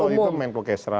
pak abu rizal itu menko kesra